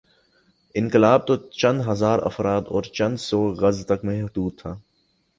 انقلاب توچند ہزارافراد اور چندسو گز تک محدود تھا۔